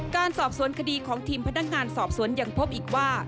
การสอบสวนคดีของทีมพนักงานสอบสวนยังพบอีกว่า